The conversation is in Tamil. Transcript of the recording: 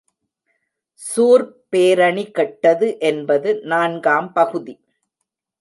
சூர்ப் பேரணி கெட்டது என்பது நான்காம் பகுதி.